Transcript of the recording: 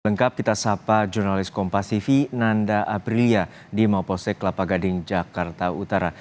lengkap kita sapa jurnalis kompasifi nanda aprilia di maposek kelapa gading jakarta utara